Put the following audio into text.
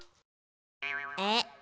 えっ。